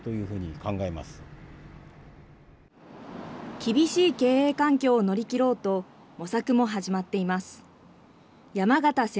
厳しい経営環境を乗り切ろうと、模索も始まっています。